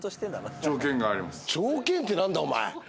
条件って何だお前。